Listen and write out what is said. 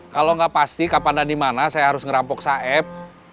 kalau nggak pasti kapan ada di mana saya harus ngerampok saeb